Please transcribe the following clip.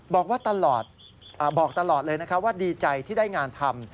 บอกว่าตลอดบอกตลอดเลยนะคะว่าดีใจที่ได้งานทำ